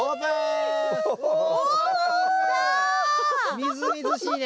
みずみずしいね！